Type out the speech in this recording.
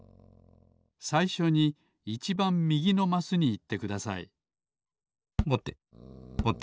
さいしょにいちばんみぎのマスにいってくださいぼてぼて。